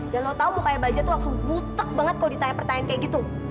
dan lo tau mukanya baja tuh langsung butek banget kalo ditanya pertanyaan kayak gitu